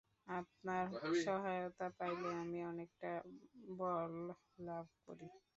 আপনার সহায়তা পাইলে আমি অনেকটা বল লাভ করি।